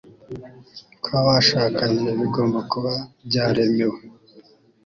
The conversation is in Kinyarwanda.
kw'abashakanye, bigomba kuba byaremewe